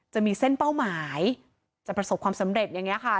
จะมีเส้นเป้าหมายจะประสบความสำเร็จอย่างนี้ค่ะ